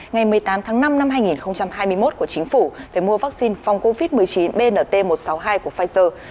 ngày một mươi tám tháng năm năm hai nghìn hai mươi một của chính phủ về mua vaccine phòng covid một mươi chín bnt một trăm sáu mươi hai của pfizer